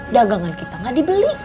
dagangan kita gak dibeli